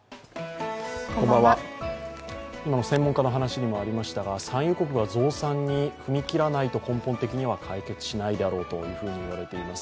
今専門家の話にもありましたが産油国が増産に踏み切らないと根本的には解決しないだろうと言われています。